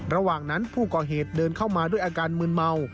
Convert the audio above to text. ระหว่างนั้นผู้ก่อเหตุเดินเข้ามาด้วยอาการมืนเมา